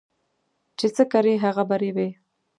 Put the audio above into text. چي څه کرې ، هغه به رېبې.